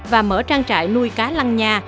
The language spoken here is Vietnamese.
và mở trang trại nuôi cá lăn nha